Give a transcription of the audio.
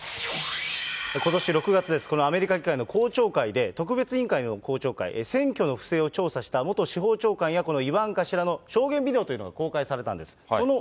ことし６月、このアメリカ議会の公聴会で、特別委員会の公聴会、選挙の不正を調査した元司法長官や、このイバンカ氏らの証言ビデオというのが公開されたんです。